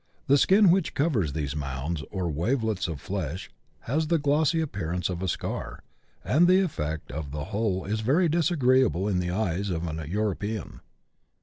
The skin which covers these mounds or wavelets of flesh has the glossy appearance of a scar, and the effect of the whole is very disagreeable in the eyes of an European.